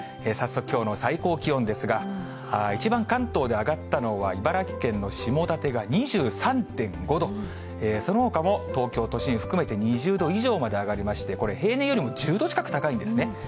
早速きょうの最高気温ですが、一番、関東で上がったのは、茨城県の下館が２３．５度、そのほかも東京都心含めて２０度以上まで上がりまして、これ、平年よりも１０度近く高いんですね。